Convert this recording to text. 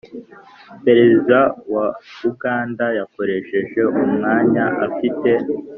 perezida wa uganda yakoresheje umwanya afite